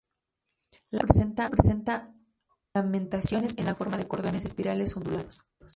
La concha presenta ornamentaciones en forma de cordones espirales ondulados.